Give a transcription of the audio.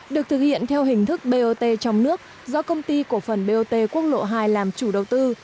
được thực hiện theo hình thức bot trong nước do công ty cổ phần bot quốc lộ hai làm chủ đầu tư